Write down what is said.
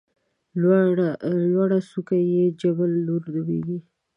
لوړه څوکه یې جبل نور نومېږي.